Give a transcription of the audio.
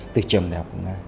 từ trường đại học của nga